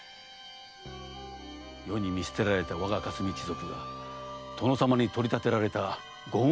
世に見捨てられた我が霞一族が殿様に取り立てられたご恩を返すときです。